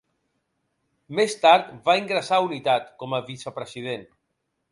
Més tard, va ingressar a Unitat, com a vicepresident.